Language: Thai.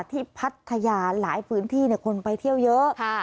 พัทยาหลายพื้นที่คนไปเที่ยวเยอะ